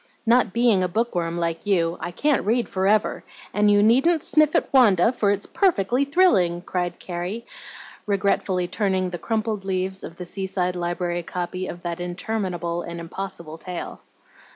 "Not being a book worm like you, I can't read forever, and you needn't sniff at 'Wanda,' for it's perfectly thrilling!" cried Carrie, regretfully turning the crumpled leaves of the Seaside Library copy of that interminable and impossible tale.